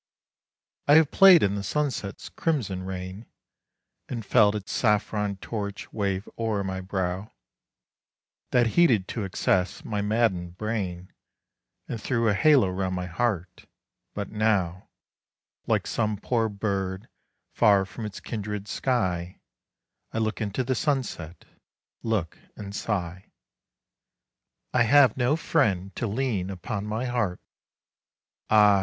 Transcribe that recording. I have played in the sunset's crimson rain, And felt its saffron torch wave o'er my brow, That heated to excess my maddened brain, And threw a halo 'round my heart but now, Like some poor bird far from its kindred sky, I look into the sunset look and sigh. I have no friend to lean upon my heart, Ah!